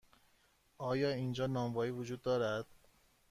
آیا اینجا نانوایی وجود دارد؟